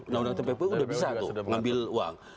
undang undang tppu sudah bisa tuh mengambil uang